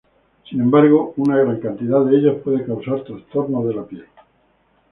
Sin embargo, una gran cantidad de ellos puede causar trastornos de la piel.